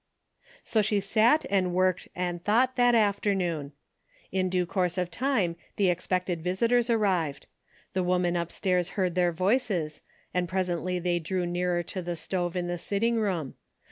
So she sat and worked and thought that afternoon. In due course of time the expected visitors arrived. The woman upstairs heard their voices, and presently they drew nearer to the stove in the sitting room.